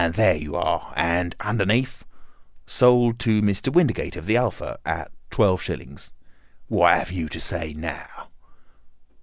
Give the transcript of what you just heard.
There you are. And underneath?" "'Sold to Mr. Windigate of the Alpha, at 12_s_.'" "What have you to say now?"